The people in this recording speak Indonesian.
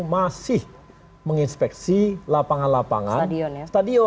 masih menginspeksi lapangan lapangan stadion